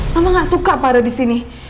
mama gak suka pada disini